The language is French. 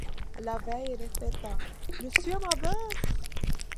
La vieille répéta: — Monsieur Mabeuf!